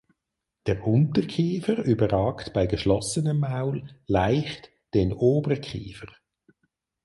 Der Unterkiefer überragt bei geschlossenem Maul leicht den Oberkiefer.